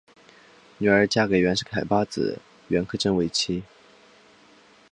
女儿嫁给袁世凯八子袁克轸为妻。